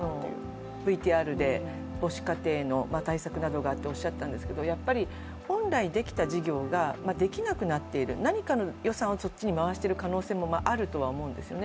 ＶＴＲで、母子家庭の対策などがとおっしゃっていたんですけどもやっぱり本来できた事業ができなくなっている何かの予算をそっちに回している可能性もあるとは思うんですよね。